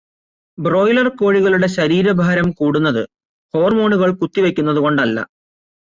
Broiler കോഴികളുടെ ശരീരഭാരം കൂടുന്നത് ഹോർമോണുകൾ കുത്തി വെക്കുന്നത് കൊണ്ടല്ല.